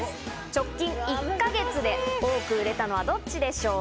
直近１か月で多く売れたのはどっちでしょう？